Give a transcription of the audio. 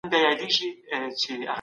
سازمانونه په بهرني سیاست کي څه لټوي؟